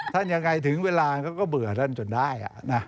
ท่านยังไงถึงเวลาก็เบื่อท่านจนได้